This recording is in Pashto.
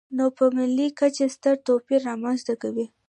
نو په ملي کچه ستر توپیر رامنځته کوي.